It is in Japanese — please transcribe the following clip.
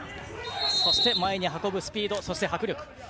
そして、前に運ぶスピード迫力。